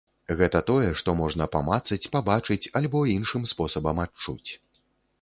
Гэта тое, што можна памацаць, пабачыць альбо іншым спосабам адчуць.